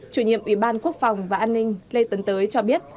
chủ nhiệm ủy ban quốc phòng và an ninh lê tấn tới cho biết